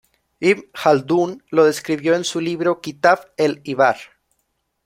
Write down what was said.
Ibn Jaldún lo describió en su libro "Kitab El Ibar".